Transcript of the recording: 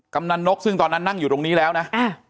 กำนันนกซึ่งตอนนั้นนั่งอยู่ตรงนี้แล้วนะ